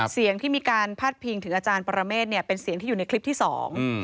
เสียงที่มีการพาดพิงถึงอาจารย์ปรเมฆเนี่ยเป็นเสียงที่อยู่ในคลิปที่สอง